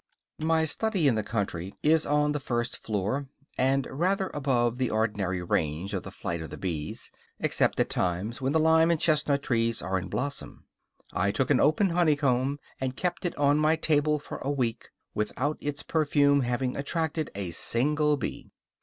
My study in the country is on the first floor, and rather above the ordinary range of the flight of the bees, except at times when the lime and chestnut trees are in blossom. I took an open honeycomb, and kept it on my table for a week, without its perfume having attracted a single bee.